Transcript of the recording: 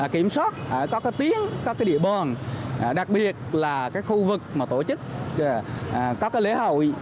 kiểm soát các tiến các địa bòn đặc biệt là khu vực tổ chức các lễ hội